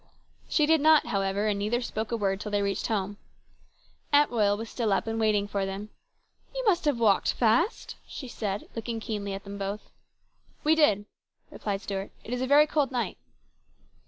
She did not, however, and neither spoke a word until they reached home. Aunt Royal was still up and waiting for them. " You must have walked fast," she said, looking keenly at them both. "We did," replied Stuart; "it is a very cold night."